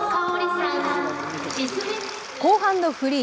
後半のフリー。